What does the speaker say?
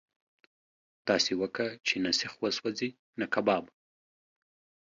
داسي وکه چې نه سيخ وسوځي نه کباب.